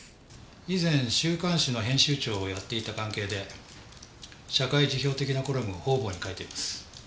以前週刊誌の編集長をやっていた関係で社会時評的なコラムを方々に書いています。